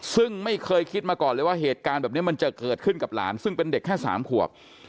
ซึ่งไม่เคยคิดมาก่อนเลยว่าเหตุการณ์แบบนี้มันจะเกิดขึ้นกับหลานซึ่งเป็นเด็กแค่๓ขวบ